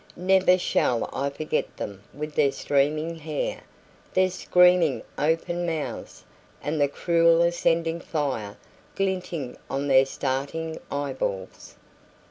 Never shall I forget them with their streaming hair, their screaming open mouths, and the cruel ascending fire glinting on their starting eyeballs!